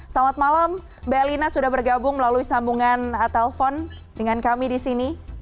selamat malam mbak elina sudah bergabung melalui sambungan telepon dengan kami di sini